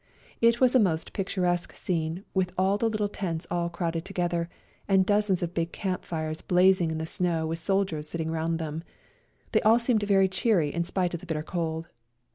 It was a most picturesque scene with the httle tents all crowded together, and dozens of big camp fires blazing in the snow with soldiers sitting round them ; they all seemed very cheery in spite of the bitter cold.